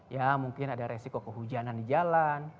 ya mungkin ada resiko kehujanan di jalan